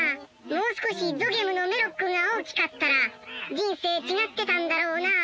もう少しゾゲムのメロックが大きかったら人生違ってたんだろうなあ。